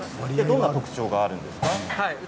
どんな特徴がありますか？